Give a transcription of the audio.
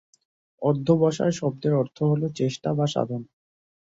'অধ্যবসায়' শব্দের অর্থ হলো চেষ্টা বা সাধনা।